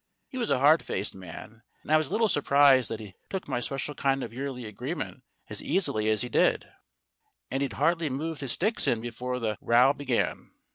He was a hard faced man, and I was a little surprised that he took my special kind of yearly agreement as easily as he did. And he'd hardly moved his sticks in before the row began.